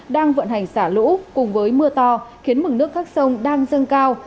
đang vận hành xả lũ cùng với mưa to khiến mực nước các sông đang dâng cao